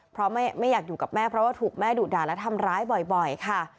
เพราะไม่อยากอยู่กับแม่เพราะว่าถูกแม่ดุด่าและทำร้ายบ่อยค่ะ